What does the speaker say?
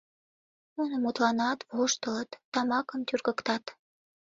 Нуно мутланат, воштылыт, тамакым тӱргыктат.